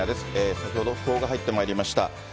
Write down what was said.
先ほどふ報が入ってまいりました。